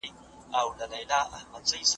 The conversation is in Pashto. په ادبي ژانرونو باندې پراخه څېړنه ترسره کیږي.